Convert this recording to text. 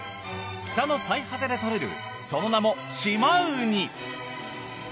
北の最果てで獲れるその名も島ウニ。